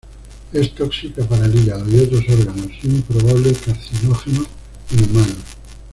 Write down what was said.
Es tóxica para el hígado y otros órganos, y un probable carcinógeno en humanos.